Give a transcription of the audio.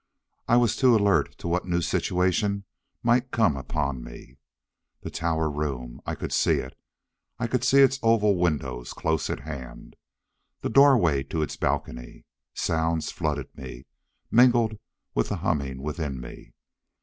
I was too alert to what new situation might come upon me. The tower room. I could see it. I could see its oval windows close at hand. The doorway to its balcony. Sounds flooded me, mingled with the humming within me.